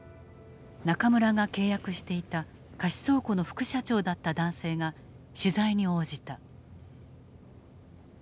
中村が契約していた貸倉庫の副社長だった男性が取材に応じた。